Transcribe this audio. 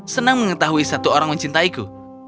senang mengetahui satu orang mencintaiku